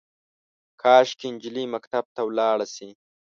کاشکي، نجلۍ مکتب ته ولاړه شي